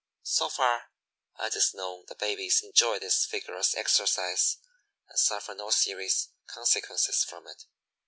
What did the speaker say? So far as is known the babies enjoy this vigorous exercise and suffer no serious consequences from it."